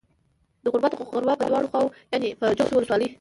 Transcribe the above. د گوربت غروه په دواړو خواوو يانې په جغتو ولسوالۍ